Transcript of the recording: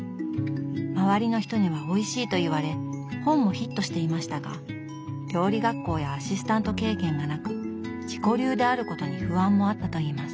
周りの人にはおいしいと言われ本もヒットしていましたが料理学校やアシスタント経験がなく自己流であることに不安もあったといいます。